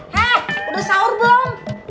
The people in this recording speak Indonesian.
hah udah sahur belum